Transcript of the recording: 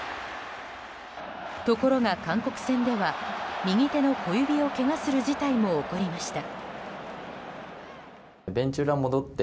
ところが韓国戦では右手の小指をけがする事態も起こりました。